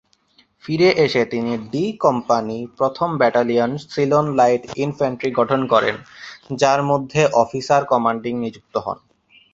ফিরে এসে তিনি "ডি" কোম্পানি, প্রথম ব্যাটালিয়ন, সিলন লাইট ইনফ্যান্ট্রি গঠন করেন, যার মধ্যে অফিসার কমান্ডিং নিযুক্ত হন।